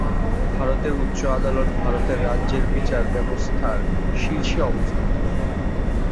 ভারতের উচ্চ আদালত ভারতের রাজ্যের বিচার ব্যবস্থার শীর্ষে অবস্থিত।